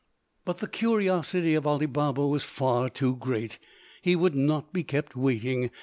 But the curiosity of Ali Baba was far too great: he would not be kept waiting.